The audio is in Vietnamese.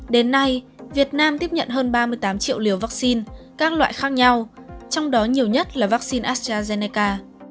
đến nay việt nam tiếp nhận hơn ba mươi tám triệu liều vaccine các loại khác nhau trong đó nhiều nhất là vaccine astrazeneca